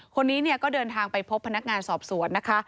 คนนี้ก็เดินทางไปพบพนักงานสอบสวนนะคะ